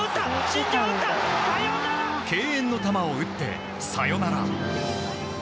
敬遠の球を打ってサヨナラ。